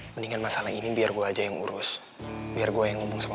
mendingan masalah ini biar gue aja yang urus biar gue yang ngomong sama